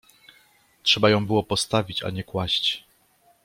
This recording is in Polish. — Trzeba było ją postawić, a nie kłaść!